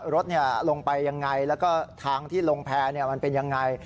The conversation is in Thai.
รถลงไปยังไงแล้วก็ทางที่ลงแพร่มันเป็นยังไง